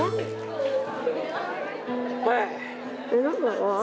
ได้